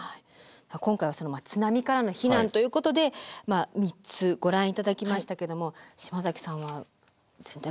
今回は津波からの避難ということで３つご覧頂きましたけども島崎さんは全体ご覧になっていかがですか？